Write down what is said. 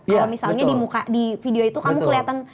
kalau misalnya di video itu kamu kelihatan